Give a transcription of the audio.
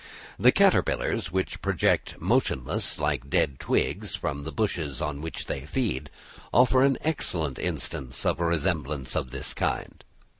The caterpillars which project motionless like dead twigs from the bushes on which they feed, offer an excellent instance of a resemblance of this kind.